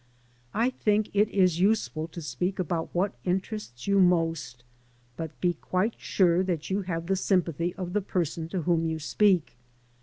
I think it is useful to speak about what interests you most; but be quite sure that you have the sympathy of the person to whom you speak.